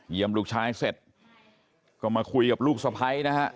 เยี่ยมลูกชายเสร็จก็มาคุยกับลูกสะพ้ายนะฮะ